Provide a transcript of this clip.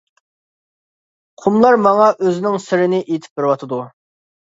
قۇملار ماڭا ئۆزىنىڭ سىرىنى ئېيتىپ بېرىۋاتىدۇ.